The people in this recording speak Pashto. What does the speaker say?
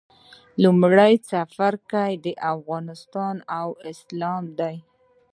لومړی څپرکی افغانستان او اسلام دی.